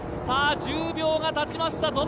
１０秒がたちました、